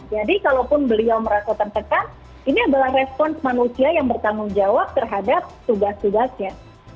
jadi kalaupun beliau merasa tertekan ini adalah respons manusia yang bertanggung jawab terhadap tugas tugasnya